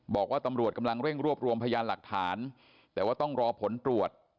บอกว่าตำรวจกำลังเร่งรวบรวมพยานหลักฐานแต่ว่าต้องรอผลตรวจ